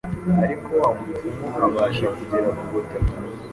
ariko wa mupfumu abasha kugera ku butaka